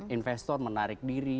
investor menarik diri